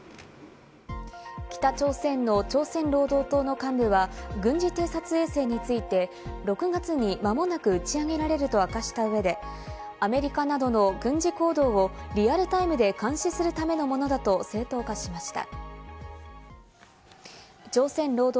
北朝鮮の朝鮮労働党の幹部は軍事偵察衛星について６月に間もなく打ち上げられると明かした上で、アメリカなどの軍事行動をリアルタイムで監視するためのものだと、正当化しました。